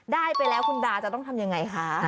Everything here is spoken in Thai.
ได้ไปแล้วคุณดาจะต้องทำยังไงคะ